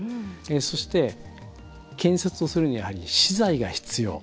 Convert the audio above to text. そして、建設をするには資材が必要。